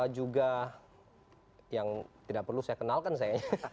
juga yang tidak perlu saya kenalkan saya